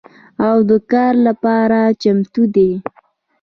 او د کار لپاره چمتو دي